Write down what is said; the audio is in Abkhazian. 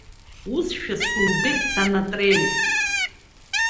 Усшәа субеит, Санатрели!